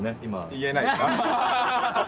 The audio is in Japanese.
言えないですか？